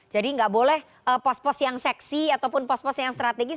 jadi nggak boleh pos pos yang seksi ataupun pos pos yang strategis